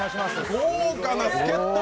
豪華な助っと！